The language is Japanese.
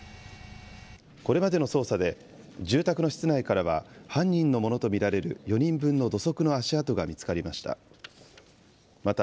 これまでの捜査で、住宅の室内からは、犯人のものと見られる４人分の土足の足跡が見つかりました。